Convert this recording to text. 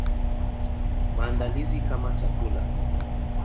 Maandalizi kama chakula.